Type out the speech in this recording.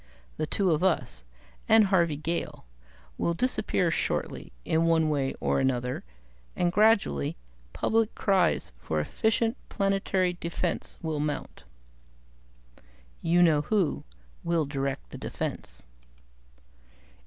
The two of us, and Harvey Gale, will disappear shortly in one way or another, and gradually public cries for effective planetary defense will mount. "You know who will direct the defense."